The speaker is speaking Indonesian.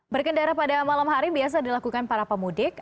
berkendara pada malam hari biasa dilakukan para pemudik